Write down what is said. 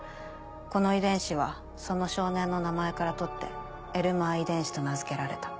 この遺伝子はその少年の名前から取って「エルマー遺伝子」と名付けられた。